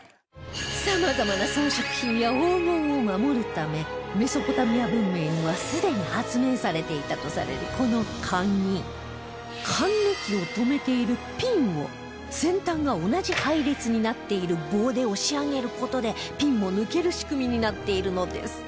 様々な装飾品や黄金を守るためメソポタミア文明にはすでに発明されていたとされるこのカギかんぬきを留めているピンを先端が同じ配列になっている棒で押し上げる事でピンも抜ける仕組みになっているのです